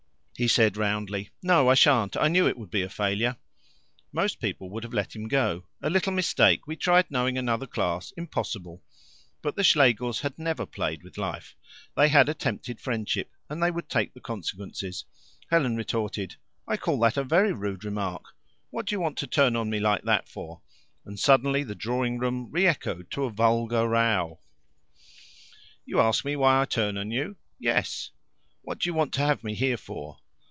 He said roundly: "No, I shan't; I knew it would be a failure." Most people would have let him go. "A little mistake. We tried knowing another class impossible." But the Schlegels had never played with life. They had attempted friendship, and they would take the consequences. Helen retorted, "I call that a very rude remark. What do you want to turn on me like that for?" and suddenly the drawing room re echoed to a vulgar row. "You ask me why I turn on you?" "Yes." "What do you want to have me here for?"